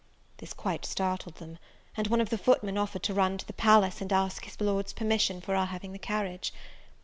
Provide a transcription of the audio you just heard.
This quite startled them; and one of the footmen offered to run to the palace, and ask his Lord's permission for our having the carriage.